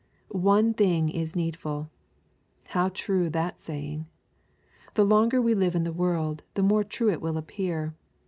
" One thing is needful." How true that saying ! The longer we live in the world, the more true it will appear.